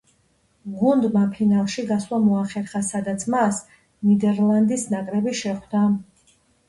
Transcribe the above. გუნდმა ფინალში გასვლა მოახერხა, სადაც მას ნიდერლანდის ნაკრები შეხვდა.